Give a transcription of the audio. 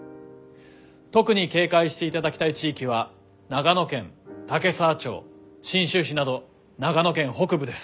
特に警戒していただきたい地域は長野県岳沢町信州市など長野県北部です。